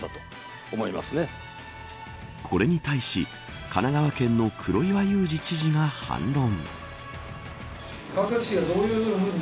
これに対し神奈川県の黒岩祐治知事が反論。